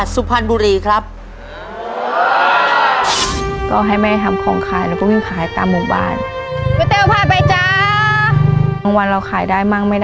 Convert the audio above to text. สุขระบันตรา